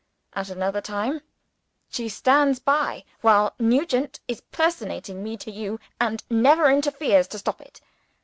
At another time, she stands by while Nugent is personating me to you, and never interferes to stop it.